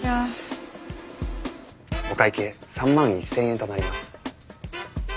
お会計３万１０００円となります。